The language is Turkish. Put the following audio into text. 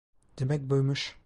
Demek buymuş.